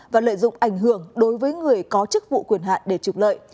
và lợi dụng ảnh hưởng đối với người có chức vụ quyền hạn để trục lợi